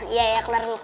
iya iya keluar dulu